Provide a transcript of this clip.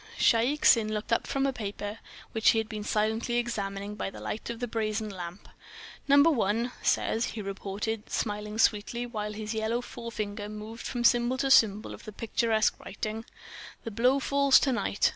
Shaik Tsin looked up from a paper which he had been silently examining by the light of the brazen lamp. "Number One says," he reported, smiling sweetly, while his yellow forefinger moved from symbol to symbol of the picturesque writing: _'"The blow falls to night.